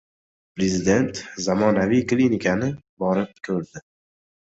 Prezident zamonaviy klinikani borib ko‘rdi